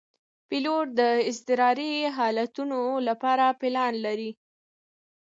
پیلوټ د اضطراري حالتونو لپاره پلان لري.